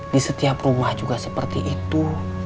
di setiap rumah juga seperti itu